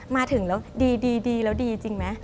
มาถึงแล้วดีแล้วดีจริงไหม